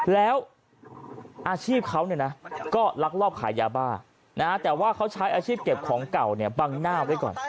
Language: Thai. แล้วอาชีพเขาก็ลักลอบขายยาบ้าแต่ว่าเขาใช้อาชีพเก็บของเก่าเนี่ยบังหน้าไว้ก่อน